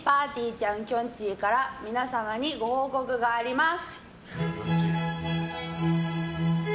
ちゃんきょんちぃから皆様にご報告があります。